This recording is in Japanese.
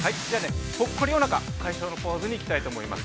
◆ポッコリおなか解消のポーズに行きたいと思います。